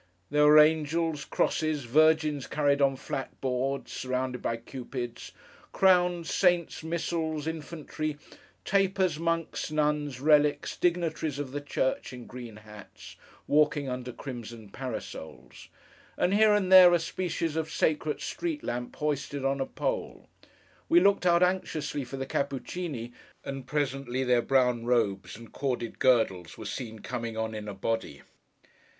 There were angels, crosses, Virgins carried on flat boards surrounded by Cupids, crowns, saints, missals, infantry, tapers, monks, nuns, relics, dignitaries of the church in green hats, walking under crimson parasols: and, here and there, a species of sacred street lamp hoisted on a pole. We looked out anxiously for the Cappuccíni, and presently their brown robes and corded girdles were seen coming on, in a body.